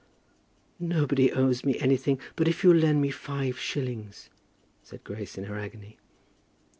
"Nobody owes me anything; but if you'll lend me five shillings!" said Grace, in her agony.